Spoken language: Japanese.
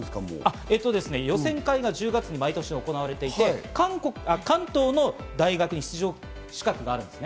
予選会が１０月に毎年行われていて、関東の大学に出場資格があるんですね。